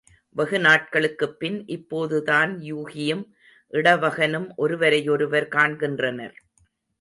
வெகு நாட்களுக்குப்பின் இப்போது தான் யூகியும் இடவகனும் ஒருவரையொருவர் காண்கின்றனர்.